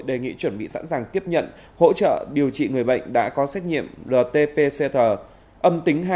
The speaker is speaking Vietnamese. đề nghị chuẩn bị sẵn sàng tiếp nhận hỗ trợ điều trị người bệnh đã có xét nghiệm rt pcr âm tính hai